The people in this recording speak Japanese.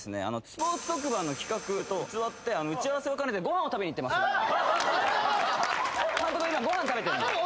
スポーツ特番の企画と偽って打ち合わせを兼ねてご飯を食べに行ってます監督は今ご飯食べてます